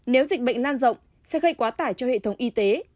nếu dịch bệnh lan rộng sẽ gây quá tải cho hệ thống y tế